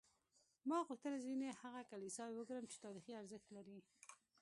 ما غوښتل ځینې هغه کلیساوې وګورم چې تاریخي ارزښت لري.